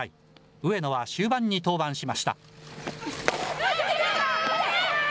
上野は終盤に登板しました。